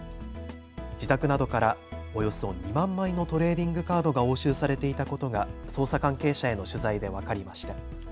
自宅などからおよそ２万枚のトレーディングカードが押収されていたことが捜査関係者への取材で分かりました。